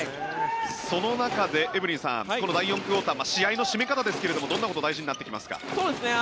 その中でエブリンさんこの第４クオーター試合の締め方ですがどんなことが大事になってきますか？